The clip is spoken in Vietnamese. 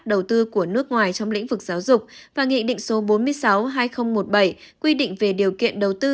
đầu tư của nước ngoài trong lĩnh vực giáo dục và nghị định số bốn mươi sáu hai nghìn một mươi bảy quy định về điều kiện đầu tư